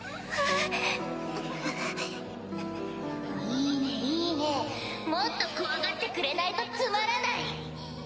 ・いいねいいね・・もっと怖がってくれないとつまらない！